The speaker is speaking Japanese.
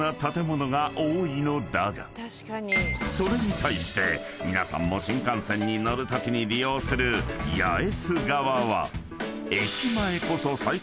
［それに対して皆さんも新幹線に乗るときに利用する八重洲側は］